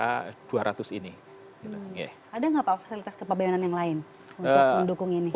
ada nggak pak fasilitas kepebayanan yang lain untuk mendukung ini